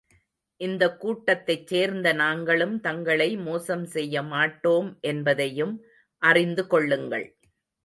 இந்தக் கூட்டத்தைச் சேர்ந்த நாங்களும் தங்களை மோசம் செய்ய மாட்டோம் என்பதையும் அறிந்து கொள்ளுங்கள்.